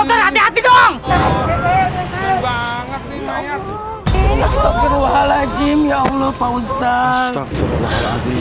woi kalau bawa motor hati hati dong banget nih